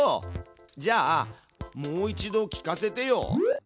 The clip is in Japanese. じゃあもう一度聞かせてよ！